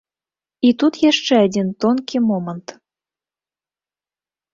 І тут яшчэ адзін тонкі момант.